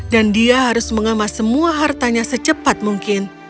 dan dia harus mengamas semua hartanya secepat mungkin